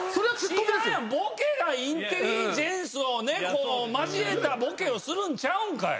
ボケがインテリジェンスを交えたボケをするんちゃうんかい？